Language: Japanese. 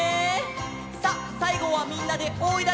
さあさいごはみんなで「おーい」だよ！